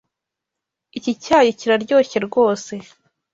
Iki cyayi kiraryoshye rwose.